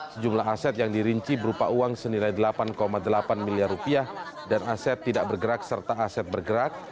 sejumlah aset yang dirinci berupa uang senilai delapan delapan miliar rupiah dan aset tidak bergerak serta aset bergerak